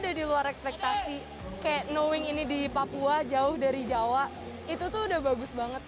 udah di luar ekspektasi kayak knowing ini di papua jauh dari jawa itu tuh udah bagus banget